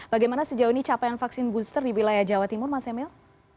bagaimana sejauh ini capaian vaksin booster di wilayah jawa timur mas emil